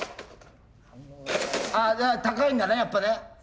あ高いんだねやっぱね。